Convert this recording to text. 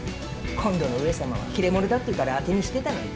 今度の上様は切れ者だっていうから当てにしてたのに。